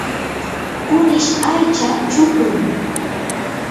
kunish aycha chukrum.